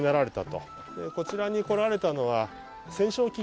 こちらに来られたのは戦勝祈願。